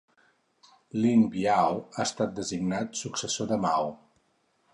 Lin Biao ha estat designat successor de Mao.